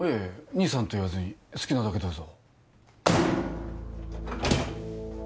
２３と言わずに好きなだけどうぞ。